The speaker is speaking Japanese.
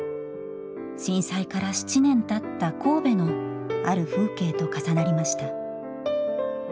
震災から７年たった神戸のある風景と重なりました。